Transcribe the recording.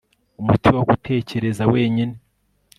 Umuti wo gutekereza wenyine